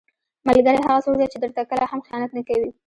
ملګری هغه څوک دی چې درته کله هم خیانت نه کوي.